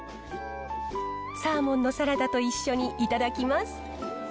サーモンのサラダと一緒に頂きます。